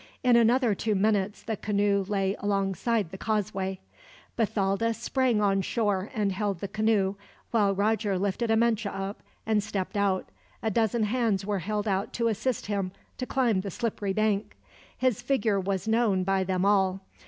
In another two minutes, the canoe lay alongside the causeway. Bathalda sprang on shore, and held the canoe while Roger lifted Amenche up, and stepped out. A dozen hands were held out to assist him to climb the slippery bank. His figure was known by them all.